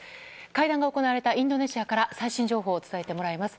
会談が行われたインドネシアから最新情報を伝えてもらいます。